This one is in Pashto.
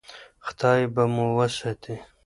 خدای به مو وساتي.